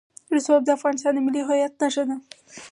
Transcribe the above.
رسوب د افغانستان د ملي هویت نښه ده.